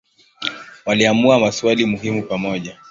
Waliamua maswali muhimu pamoja.